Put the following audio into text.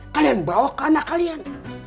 kalian bawa ke anak kalian